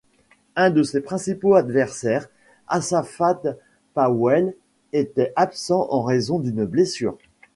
Un de ses principaux adversaires, Asafa Powell était absent en raison d'une blessure.